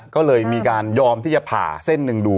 ก็เลยมีการยอมที่จะผ่าเส้นหนึ่งดู